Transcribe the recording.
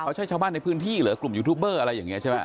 เขาใช่ชาวบ้านในพื้นที่เหรอกลุ่มยูทูบเบอร์อะไรอย่างนี้ใช่ไหม